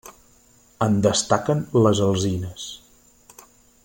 En destaquen les alzines.